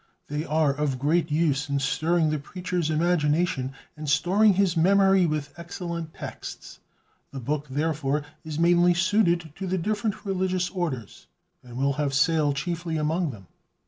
They are of great use in stirring the preacher's imagination, and storing his memory with excellent texts. The book, therefore, is mainly suited to the different religious orders, and will have sale chiefly among them.